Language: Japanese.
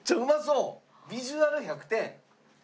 ビジュアル１００点。